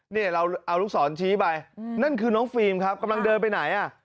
นี่เราเอาลูกศรชี้ไปนั่นคือน้องฟิล์มครับกำลังเดินไปไหนอ่ะ